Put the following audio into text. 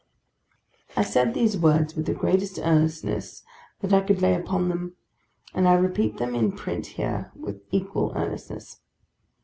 I said these words with the greatest earnestness that I could lay upon them, and I repeat them in print here with equal earnestness.